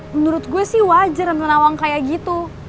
menurut gua sih wajar tante nawang kayak gitu